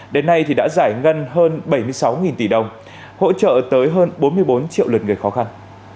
đến nay đã giải ngân hơn bảy mươi sáu tỷ đồng hỗ trợ tới hơn bốn mươi bốn triệu lượt người khó khăn